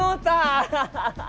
アハハハ！